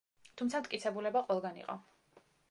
თუმცა მტკიცებულება ყველგან იყო.